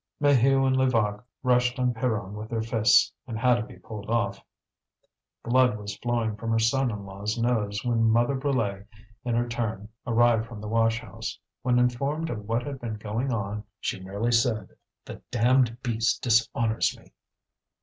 Maheu and Levaque rushed on Pierron with their fists, and had to be pulled off. Blood was flowing from her son in law's nose, when Mother Brulé, in her turn, arrived from the washhouse. When informed of what had been going on, she merely said: "The damned beast dishonours me!"